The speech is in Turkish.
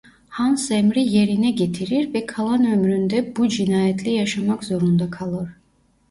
Hans emri yerine getirir ve kalan ömründe bu cinayetle yaşamak zorunda kalır.